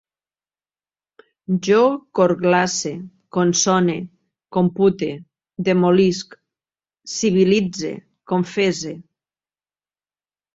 Jo corglace, consone, compute, demolisc, civilitze, confesse